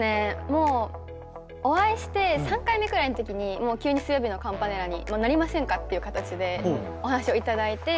もうお会いして３回目くらいの時にもう急に「水曜日のカンパネラになりませんか？」っていう形でお話を頂いてもう「あっやります」っていう。